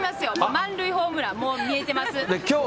満塁ホームラン、もう見えてます。